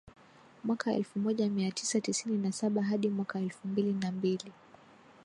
mwaka elfu moja mia tisa tisini na saba hadi mwaka elfu mbili na mbili